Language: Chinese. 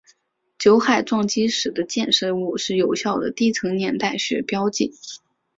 酒海撞击时的溅射物是有效的地层年代学标记。